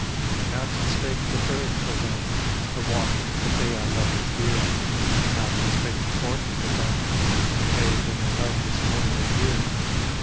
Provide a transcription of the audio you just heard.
And out and spake the third o' them, " I wot that they are lovers dear." And out and spake the fourth o' them, " They hae been in love this mony a year."